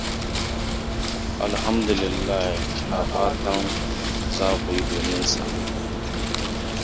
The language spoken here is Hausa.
Abdullahi na fatan za ku yi domin sa.